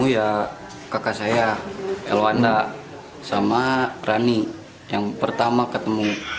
ya kakak saya elwanda sama rani yang pertama ketemu